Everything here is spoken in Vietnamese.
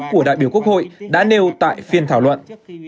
của đại biểu quốc hội đã nêu tại phiên thảo luận